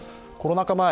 コロナ禍